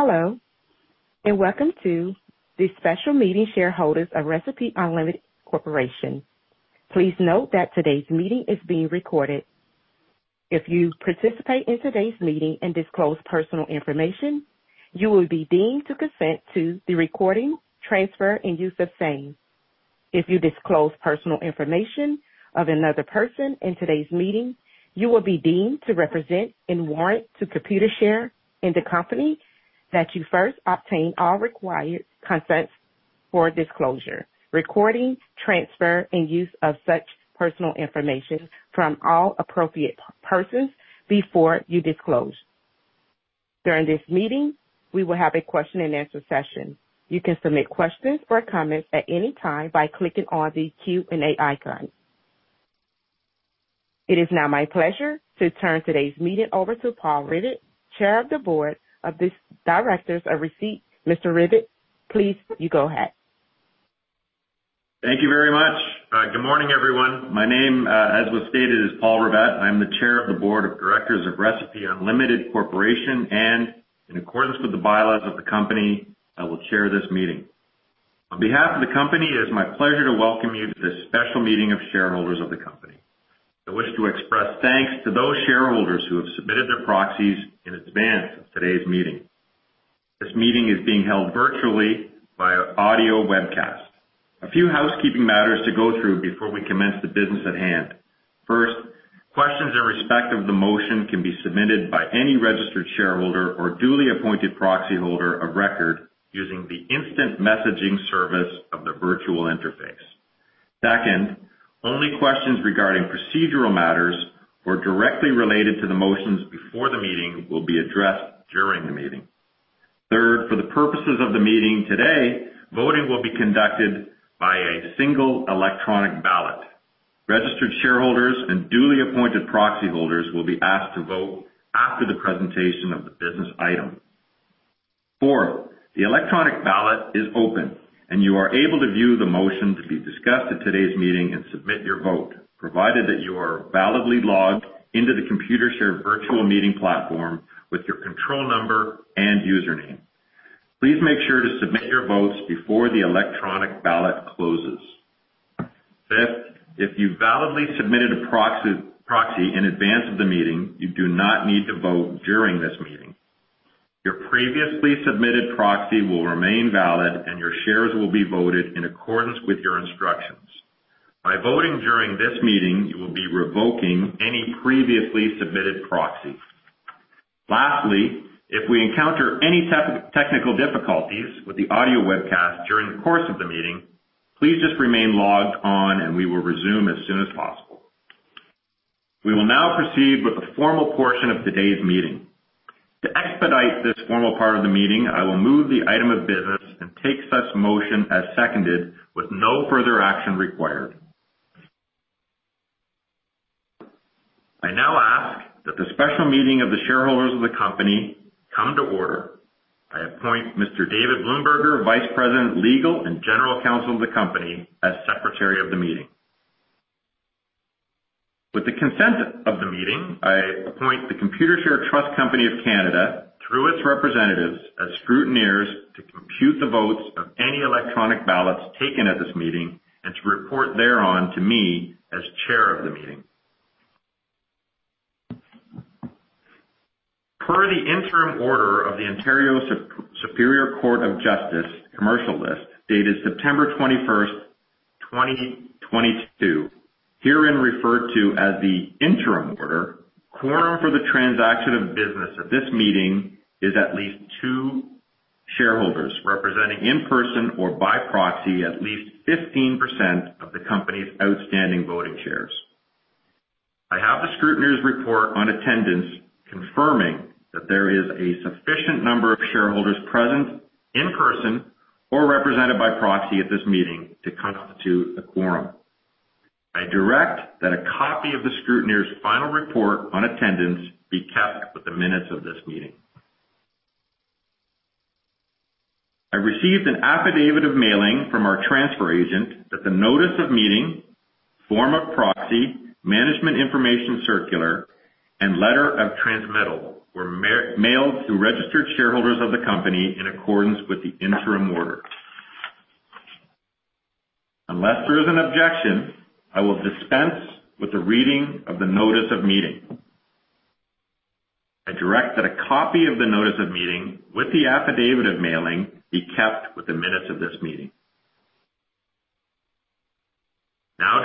Hello, welcome to the special meeting shareholders of Recipe Unlimited Corporation. Please note that today's meeting is being recorded. If you participate in today's meeting and disclose personal information, you will be deemed to consent to the recording, transfer, and use of same. If you disclose personal information of another person in today's meeting, you will be deemed to represent and warrant to Computershare and the company that you first obtain all required consents for disclosure, recording, transfer, and use of such personal information from all appropriate persons before you disclose. During this meeting, we will have a question and answer session. You can submit questions or comments at any time by clicking on the Q&A icon. It is now my pleasure to turn today's meeting over to Paul Rivett, Chair of the Board of Directors of Recipe. Mr. Rivett, please, you go ahead. Thank you very much. Good morning, everyone. My name, as was stated, is Paul Rivett. I'm the Chair of the Board of Directors of Recipe Unlimited Corporation, and in accordance with the bylaws of the company, I will chair this meeting. On behalf of the company, it is my pleasure to welcome you to this special meeting of shareholders of the company. I wish to express thanks to those shareholders who have submitted their proxies in advance of today's meeting. This meeting is being held virtually via audio webcast. A few housekeeping matters to go through before we commence the business at hand. First, questions in respect of the motion can be submitted by any registered shareholder or duly appointed proxyholder of record using the instant messaging service of the virtual interface. Second, only questions regarding procedural matters or directly related to the motions before the meeting will be addressed during the meeting. Third, for the purposes of the meeting today, voting will be conducted by a single electronic ballot. Registered shareholders and duly appointed proxyholders will be asked to vote after the presentation of the business item. Fourth, the electronic ballot is open, and you are able to view the motion to be discussed at today's meeting and submit your vote, provided that you are validly logged into the Computershare virtual meeting platform with your control number and username. Please make sure to submit your votes before the electronic ballot closes. Fifth, if you validly submitted a proxy in advance of the meeting, you do not need to vote during this meeting. Your previously submitted proxy will remain valid, and your shares will be voted in accordance with your instructions. By voting during this meeting, you will be revoking any previously submitted proxy. Lastly, if we encounter any technical difficulties with the audio webcast during the course of the meeting, please just remain logged on, and we will resume as soon as possible. We will now proceed with the formal portion of today's meeting. To expedite this formal part of the meeting, I will move the item of business and take such motion as seconded with no further action required. I now ask that the special meeting of the shareholders of the company come to order. I appoint Mr. David Blumberger, Vice President, Legal and General Counsel of the company, as Secretary of the meeting. With the consent of the meeting, I appoint the Computershare Trust Company of Canada, through its representatives, as scrutineers to compute the votes of any electronic ballots taken at this meeting and to report thereon to me as Chair of the meeting. Per the interim order of the Ontario Superior Court of Justice, (Commercial List), dated September 21st, 2022, herein referred to as the interim order, quorum for the transaction of business of this meeting is at least two shareholders, representing in person or by proxy at least 15% of the company's outstanding voting shares. I have the scrutineer's report on attendance confirming that there is a sufficient number of shareholders present in person or represented by proxy at this meeting to constitute a quorum. I direct that a copy of the scrutineer's final report on attendance be kept with the minutes of this meeting. I received an affidavit of mailing from our transfer agent that the notice of meeting, form of proxy, management information circular, and letter of transmittal were mailed to registered shareholders of the company in accordance with the interim order. Unless there is an objection, I will dispense with the reading of the notice of meeting. I direct that a copy of the notice of meeting with the affidavit of mailing be kept with the minutes of this meeting.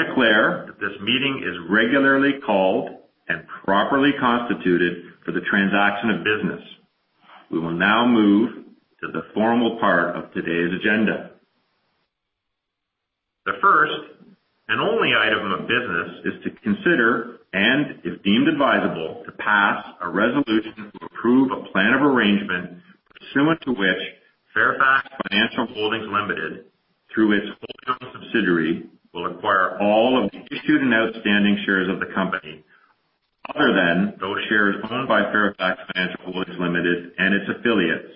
Declare that this meeting is regularly called and properly constituted for the transaction of business. We will now move to the formal part of today's agenda. The first and only item of business is to consider, and if deemed advisable, to pass a resolution to approve a plan of arrangement pursuant to which Fairfax Financial Holdings Limited, through its uncertain subsidiary, will acquire all of the issued and outstanding shares of the company other than those shares owned by Fairfax Financial Holdings Limited and its affiliates,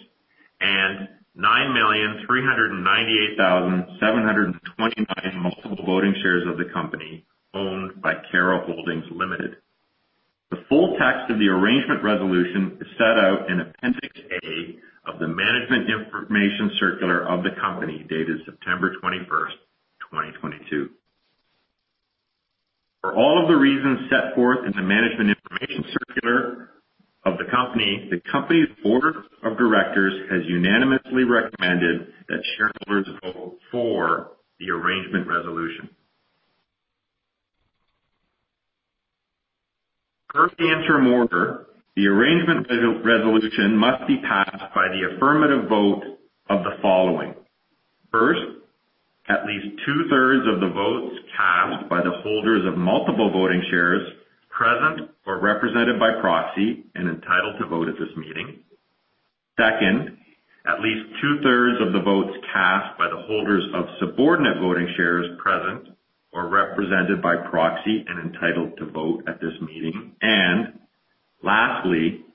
and 9,398,729 multiple voting shares of the company owned by Cara Holdings Limited. The full text of the arrangement resolution is set out in Appendix A of the management information circular of the company dated September 21st, 2022. For all of the reasons set forth in the management information circular of the company, the company's board of directors has unanimously recommended that shareholders vote for the arrangement resolution. Per the interim order, the arrangement resolution must be passed by the affirmative vote of the following. First, at least two-thirds of the votes cast by the holders of multiple voting shares present or represented by proxy and entitled to vote at this meeting. Second, at least two-thirds of the votes cast by the holders of subordinate voting shares present or represented by proxy and entitled to vote at this meeting. Lastly,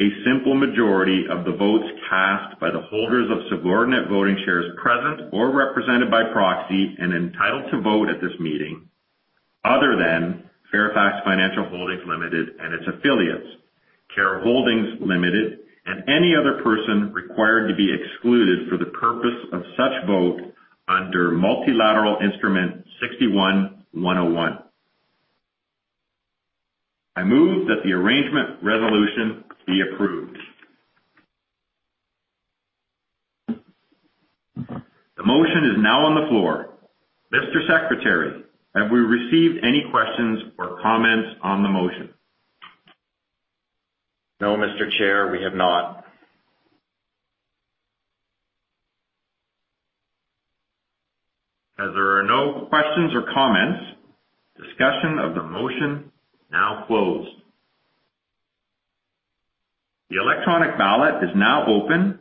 a simple majority of the votes cast by the holders of subordinate voting shares present or represented by proxy and entitled to vote at this meeting other than Fairfax Financial Holdings Limited and its affiliates, Cara Holdings Limited, and any other person required to be excluded for the purpose of such vote under Multilateral Instrument 61-101. I move that the arrangement resolution be approved. The motion is now on the floor. Mr. Secretary, have we received any questions or comments on the motion? No, Mr. Chair, we have not. As there are no questions or comments, discussion of the motion now closed. The electronic ballot is now open,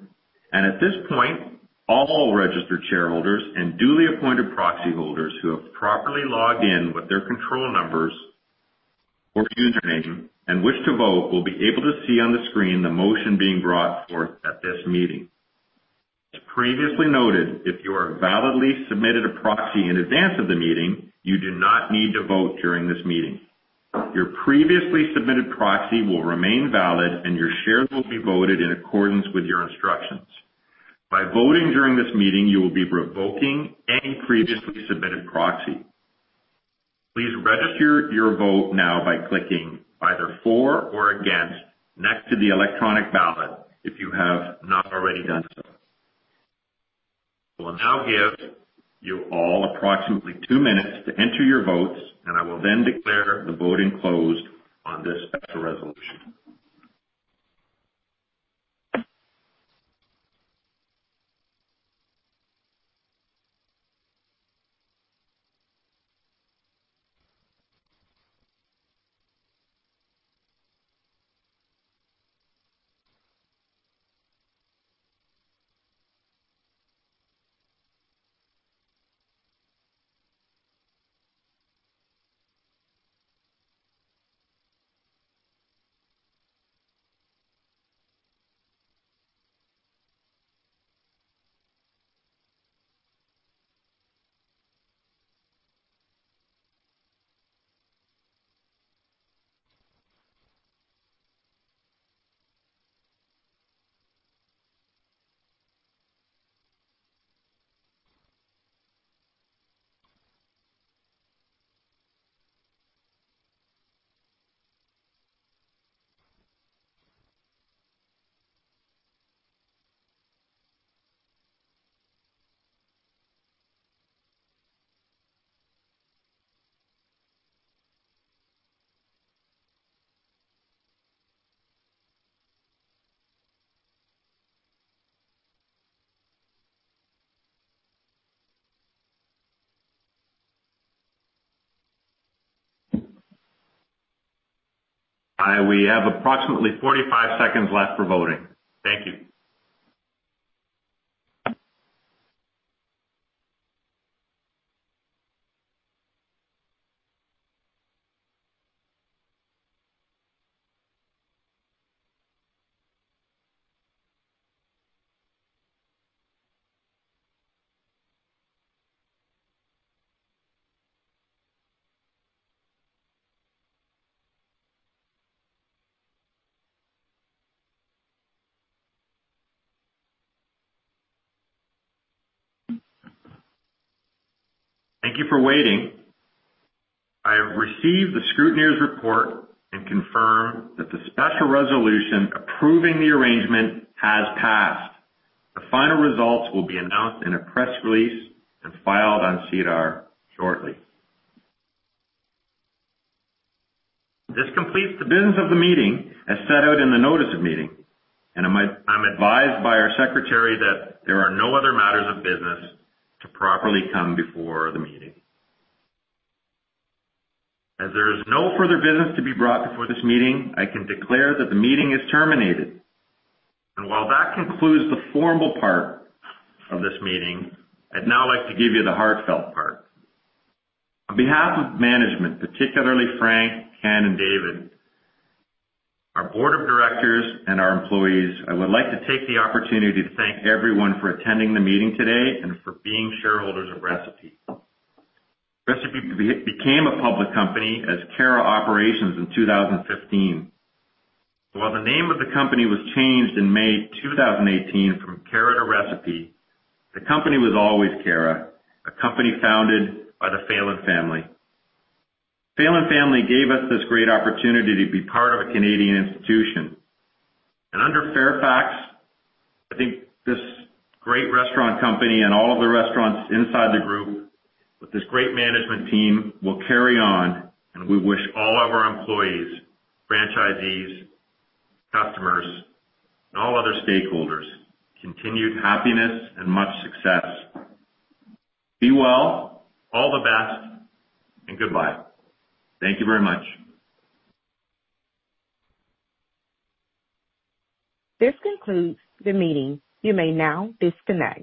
and at this point, all registered shareholders and duly appointed proxy holders who have properly logged in with their control numbers or username and wish to vote will be able to see on the screen the motion being brought forth at this meeting. As previously noted, if you are validly submitted a proxy in advance of the meeting, you do not need to vote during this meeting. Your previously submitted proxy will remain valid, and your shares will be voted in accordance with your instructions. By voting during this meeting, you will be revoking any previously submitted proxy. Please register your vote now by clicking either for or against next to the electronic ballot if you have not already done so. We'll now give you all approximately two minutes to enter your votes, and I will then declare the voting closed on this special resolution. We have approximately 45 seconds left for voting. Thank you. Thank you for waiting. I have received the scrutineer's report and confirm that the special resolution approving the arrangement has passed. The final results will be announced in a press release and filed on SEDAR shortly. This completes the business of the meeting as set out in the notice of meeting. I'm advised by our secretary that there are no other matters of business to properly come before the meeting. As there is no further business to be brought before this meeting, I can declare that the meeting is terminated. While that concludes the formal part of this meeting, I'd now like to give you the heartfelt part. On behalf of management, particularly Frank, Ken, and David, our board of directors, and our employees, I would like to take the opportunity to thank everyone for attending the meeting today and for being shareholders of Recipe. Recipe became a public company as Cara Operations in 2015. While the name of the company was changed in May 2018 from Cara to Recipe, the company was always Cara, a company founded by the Phelan family. Phelan family gave us this great opportunity to be part of a Canadian institution. Under Fairfax, I think this great restaurant company and all of the restaurants inside the group with this great management team will carry on. We wish all of our employees, franchisees, customers, and all other stakeholders continued happiness and much success. Be well, all the best, and goodbye. Thank you very much. This concludes the meeting. You may now disconnect.